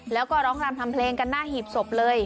แล้วก็ร้องรำทำเพลงกันหน้าหีบศพเลย